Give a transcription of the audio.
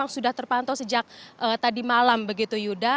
sudah terpantau sejak tadi malam begitu yuda